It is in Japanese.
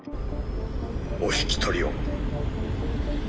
お引き取りを。